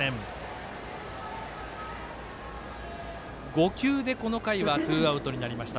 ５球でこの回はツーアウトになりました。